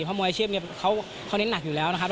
เพราะมวยอาชีพเขาเน้นหนักอยู่แล้วนะครับ